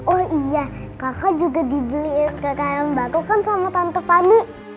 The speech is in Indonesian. oh iya kakak juga dibeliin krayon baru kan sama tante fanny